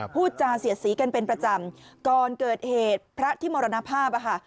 พูดจาเสียดสีกันเป็นประจำก่อนเกิดเหตุพระที่มรณภาพอ่ะค่ะ